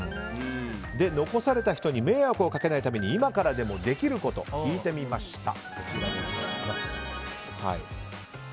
残された人に迷惑をかけないために今からでもできることを聞いてみました。